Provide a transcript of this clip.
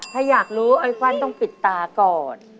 ถ้าอยากรู้ไอ้ฟันต้องปิดตาก่อน